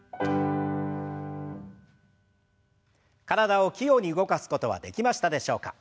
体を器用に動かすことはできましたでしょうか。